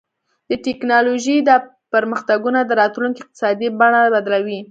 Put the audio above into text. د ټیکنالوژۍ دا پرمختګونه د راتلونکي اقتصاد بڼه بدلوي.